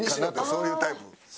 そういうタイプ。